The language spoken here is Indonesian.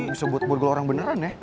bisa buat borgol orang beneran ya